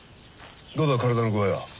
どうだ体の具合は？